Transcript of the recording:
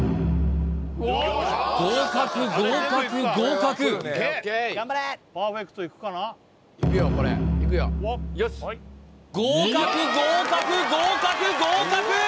合格合格合格合格合格合格合格！